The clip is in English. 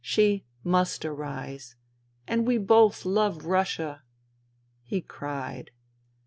She must arise. And we both love Russia." He cried.